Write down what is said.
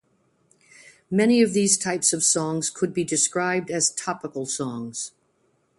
Many of these types of songs could be described as topical songs.